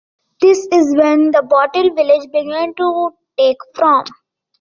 This is when Bottle Village began to take form.